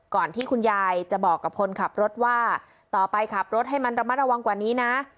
ที่คุณยายจะบอกกับคนขับรถว่าต่อไปขับรถให้มันระมัดระวังกว่านี้นะ